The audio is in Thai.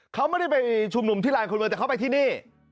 เขาไม่ได้ไปชุมนุมที่ลานคนเมืองแต่เขาไปที่นี่